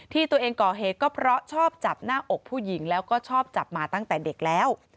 ที่ตัวเองก่อเหตุก็เพราะชอบจับหน้าอกผู้หญิงแล้วก็ชอบจับมาตั้งแต่เด็กแล้ว